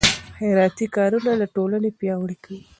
خیراتي کارونه ټولنه پیاوړې کوي.